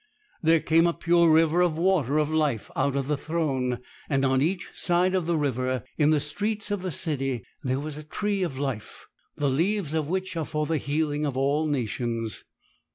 There came a pure river of water of life out of the throne, and on each side of the river, in the streets of the city, there was a tree of life, the leaves of which are for the healing of all nations.